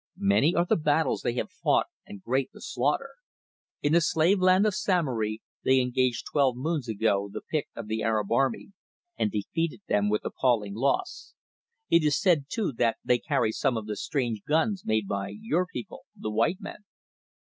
Many are the battles they have fought and great the slaughter. In the slave land of Samory they engaged twelve moons ago the pick of the Arab army, and defeated them with appalling loss. It is said, too, that they carry some of the strange guns made by your people, the white men."